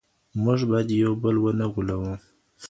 موږ باید یو بل ونه غولوو.